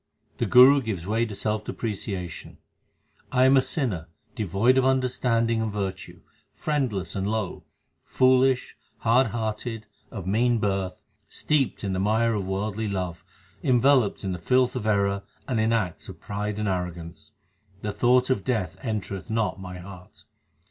The Guru gives way to self depreciation : I am a sinner, devoid of understanding and virtue, friend less and low, HYMNS OF GURU ARJAN 323 Foolish, hard hearted, of mean birth, steeped in the mire of worldly love, Enveloped in the filth of error, and in acts of pride and arrogance the thought of death entereth not my heart.